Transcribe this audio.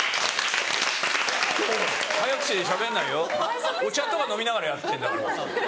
早口でしゃべんないよお茶とか飲みながらやってんだから。